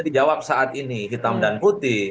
dijawab saat ini hitam dan putih